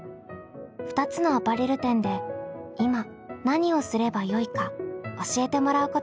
２つのアパレル店で今何をすればよいか教えてもらうことができました。